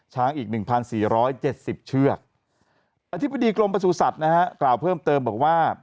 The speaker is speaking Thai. ช้างอีก๑๔๗๐เชือกอธิบดีกรมประสูจน์สัตว์กล่าวเพิ่มเติมบอกว่า